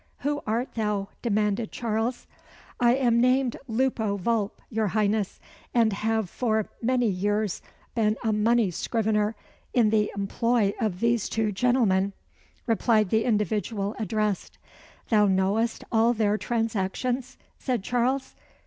"Who art thou?" demanded Charles. "I am named Lupo Vulp, your Highness, and have for many years been a money scrivener in the employ of these two gentlemen," replied the individual addressed. "Thou knowest all their transactions?" said Charles.